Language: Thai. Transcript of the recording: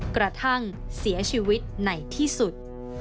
กระทั่งเสียชีวิตในที่สุด